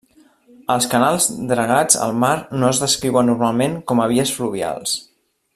Els canals dragats al mar no es descriuen normalment com a vies fluvials.